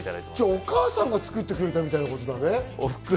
お母さんが作ってくれたみたいなものなんだね。